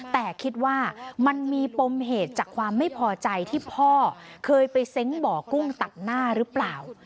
แต่คิดว่ามันมีปมเหตุจากความไม่พอใจที่พ่อเคยไปเซ้งบ่อกุ้งตัดหน้าหรือเปล่า